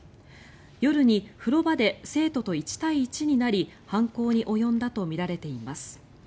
夜に風呂場で生徒と１対１になり犯行に及んだとみられています。